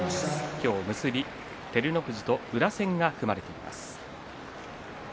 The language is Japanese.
今日は結びで照ノ富士と宇良戦が組まれています。